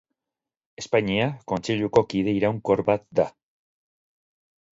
Espainia Kontseiluko kide iraunkor bat da.